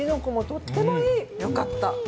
よかった。